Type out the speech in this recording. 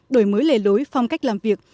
đổi mới lề lối phong cách làm việc